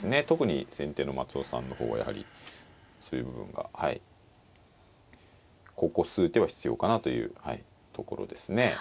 特に先手の松尾さんの方はやはりそういう部分がここ数手は必要かなというところですね。